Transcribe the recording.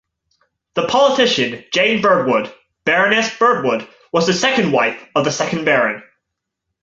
The politician Jane Birdwood, Baroness Birdwood, was the second wife of the second Baron.